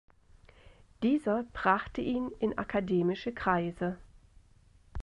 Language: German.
Dieser brachte ihn in akademische Kreise.